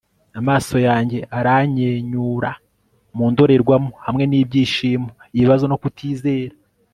amaso yanjye aranyenyura mu ndorerwamo, hamwe n'ibyishimo, ibibazo no kutizera